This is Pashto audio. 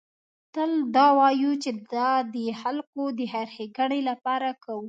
تل دا وایو چې دا د خلکو د خیر ښېګڼې لپاره کوو.